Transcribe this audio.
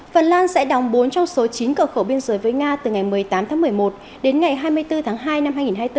phần lan sẽ đóng bốn trong số chín cờ khẩu biên giới với nga từ ngày một mươi tám tháng một mươi một đến ngày hai mươi bốn tháng hai năm hai nghìn hai mươi bốn